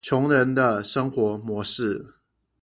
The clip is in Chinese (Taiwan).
窮人的生活模式